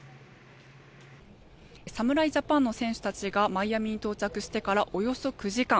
侍ジャパンの選手たちがマイアミに到着してからおよそ９時間。